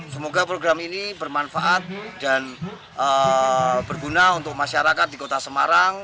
semoga program ini bermanfaat dan berguna untuk masyarakat di kota semarang